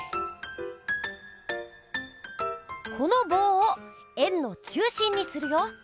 このぼうを円の中心にするよ。